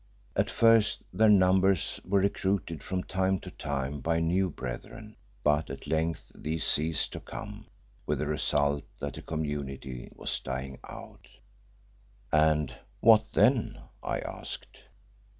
At first their numbers were recruited from time to time by new brethren, but at length these ceased to come, with the result that the community was dying out. "And what then?" I asked.